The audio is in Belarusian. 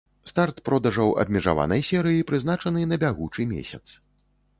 Старт продажаў абмежаванай серыі прызначаны на бягучы месяц.